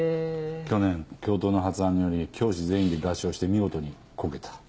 去年教頭の発案により教師全員で合唱して見事にコケた。